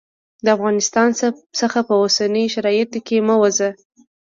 د افغانستان څخه په اوسنیو شرایطو کې مه ووزه.